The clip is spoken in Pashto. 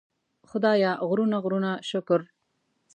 خدایه غرونه غرونه شکر.